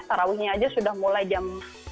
tarawihnya aja sudah mulai jam